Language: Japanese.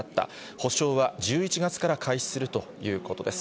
補償は１１月から開始するということです。